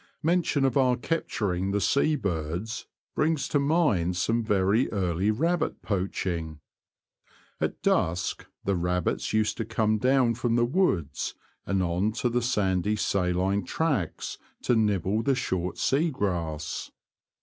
Mention of our capturing the sea birds brings to mind some very early rabbit poaching. At dusk the rabbits used to come down from the woods, and on to the sandy sa line tracts to nibble the short sea grass.